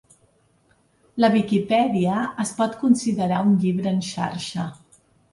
La viquipèdia es pot considerar un llibre en xarxa.